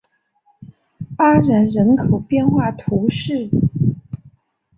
阿然人口变化图示